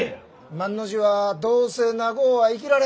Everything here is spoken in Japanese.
万の字はどうせ長うは生きられん。